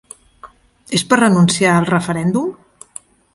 És per renunciar al referèndum?